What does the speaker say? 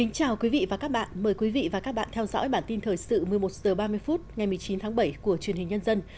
chào mừng quý vị đến với bản tin thời sự một mươi một h ba mươi phút ngày một mươi chín tháng bảy của truyền hình nhân dân